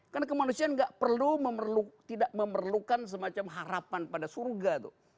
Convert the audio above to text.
karena kemanusiaan tidak perlu memerlukan semacam harapan pada surga tuh